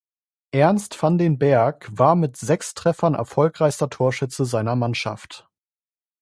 Ernst van den Berg war mit sechs Treffern erfolgreichster Torschütze seiner Mannschaft.